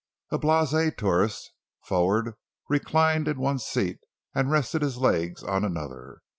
A blasé tourist forward reclined in one seat and rested his legs on another.